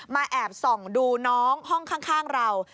แอบส่องดูน้องห้องข้างเรา